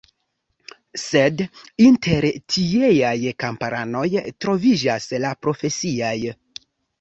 Sed, inter tieaj kamparanoj troviĝas la profesiaj.